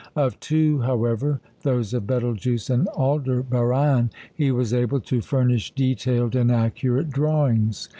Of two, however those of Betelgeux and Aldebaran he was able to furnish detailed and accurate drawings.